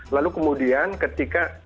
lalu kemudian ketika